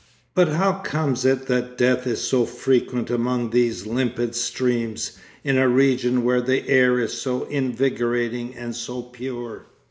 But how comes it that death is so frequent among these limpid streams, in a region where the air is so invigorating and so pure?